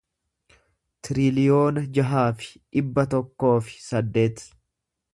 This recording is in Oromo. tiriliyoona jaha fi dhibba tokkoo fi saddeet